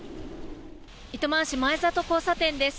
糸満市の交差点です。